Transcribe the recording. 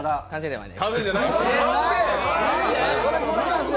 はい？